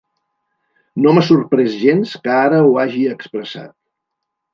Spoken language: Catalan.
No m’ha sorprès gens que ara ho hagi expressat.